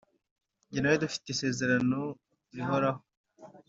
Njye nawe dufitanye isezerano rihoraho